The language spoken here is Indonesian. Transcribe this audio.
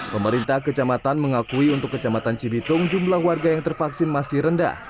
pemerintah kecamatan mengakui untuk kecamatan cibitung jumlah warga yang tervaksin masih rendah